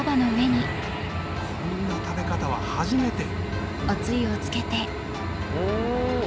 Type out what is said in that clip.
こんな食べ方は初めてうん！